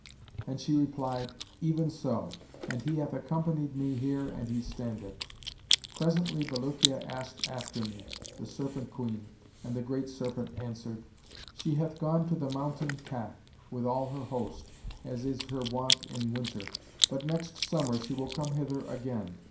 and she replied, 'Even so; and he hath accompanied me and here he standeth.' Presently Bulukiya asked after me, the Serpent queen, and the great serpent answered, 'She hath gone to the mountain Kaf with all her host, as is her wont in winter; but next summer she will come hither again.